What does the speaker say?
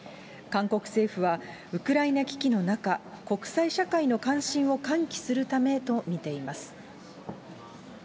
韓国政府はウクライナ危機の中、国際社会の関心を喚起するためと見ています。